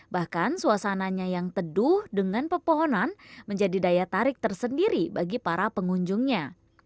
bahkan suasananya yang teduh dengan pepohonan menjadi daya tarik tersendiri bagi para pengunjungnya